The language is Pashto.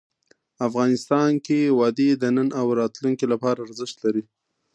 افغانستان کې وادي د نن او راتلونکي لپاره ارزښت لري.